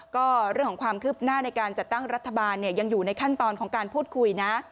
ก็เรื่องของความคืบหน้าในการจัดตั้งรัฐบาลยังอยู่ในขั้นตอนของการพูดคุยนะ